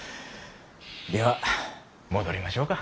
では戻りましょうか。